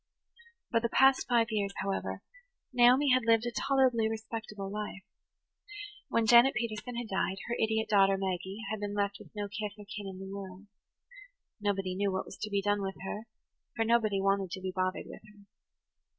For the past five years, however, Naomi had lived a tolerably respectable life. When Janet Peterson had died, her idiot daughter, Maggie, had been left with no kith or kin in the world. Nobody knew what was to be done with her, for nobody wanted to be bothered with her.